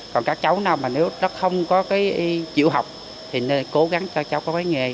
còn các cháu nào không chịu học thì nên cố gắng cho cháu có nghề